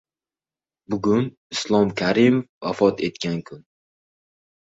Bugun — Islom Karimov vafot etgan kun